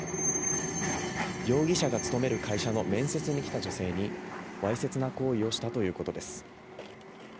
容疑者が勤める会社の面接に来た女性にわいせつな行為をしたということです。